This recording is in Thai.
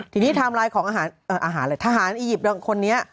ทีนี้ไทม์ไลน์ของอาหารอะไรทหารอียิปต์คนนี้